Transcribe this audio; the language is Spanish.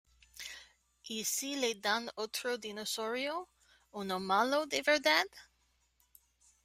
¿ Y si le dan otro dinosaurio? ¿ uno malo de verdad ?